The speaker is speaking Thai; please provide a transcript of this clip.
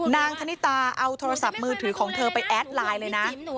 ณธนิตาเอาโทรศัพท์มือถือของเธอไปแอดไลน์เลยนะ